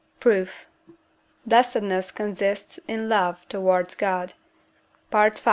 Proof. Blessedness consists in love towards God (V.